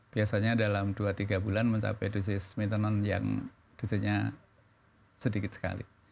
biasanya dalam dua tiga bulan mencapai dosis maintenance yang dosisnya sedikit sekali